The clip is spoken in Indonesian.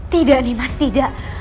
tidak nimas tidak